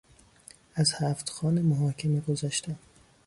از هفت خوان محاکمه گذشتن